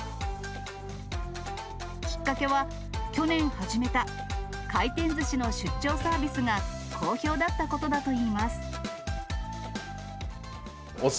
きっかけは、去年始めた回転ずしの出張サービスが、好評だったことだといいます。